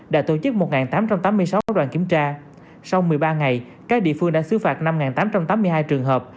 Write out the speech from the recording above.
đã tổ chức một tám trăm tám mươi sáu đoàn kiểm tra sau một mươi ba ngày các địa phương đã xứ phạt năm tám trăm tám mươi hai trường hợp